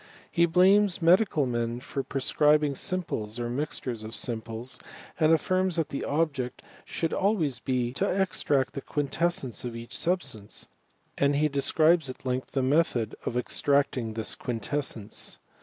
He blames medical men for prescribing simples, or mixtures of simples, and afHrms that the object should always be to extract the quintessence of each substance ; and he describes at length the method of extracting this quintessence.